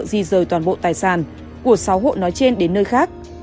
di rời toàn bộ tài sản của sáu hộ nói trên đến nơi khác